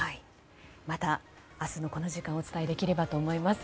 また、明日のこの時間お伝えできればと思います。